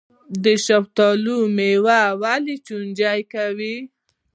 د شفتالو میوه ولې چینجي کوي؟